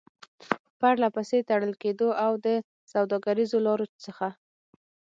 د پرلپسې تړل کېدو او د سوداګريزو لارو څخه